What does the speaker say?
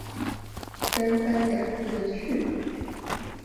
三番两次的去